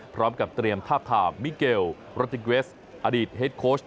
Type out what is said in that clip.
พร้อมกับเตรียมทาบทามมิเกลโรติกเกรสอดีตเฮดโค้ช